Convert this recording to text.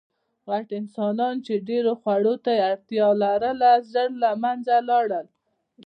غټ انسانان، چې ډېرو خوړو ته یې اړتیا لرله، ژر له منځه لاړل.